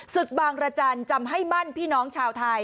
ศึกบางรจันทร์จำให้มั่นพี่น้องชาวไทย